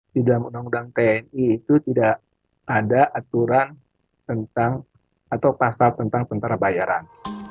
di dalam undang undang tni itu tidak ada aturan tentang atau pasal tentang tentara bayaran